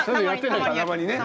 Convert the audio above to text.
たまにね。